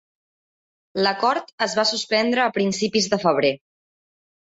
L'acord es va suspendre a principis de febrer.